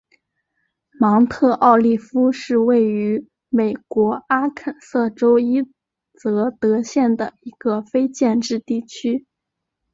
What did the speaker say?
芒特奥利夫是位于美国阿肯色州伊泽德县的一个非建制地区。